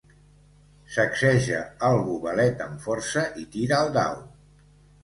Sacseja el gobelet amb força i tira el dau.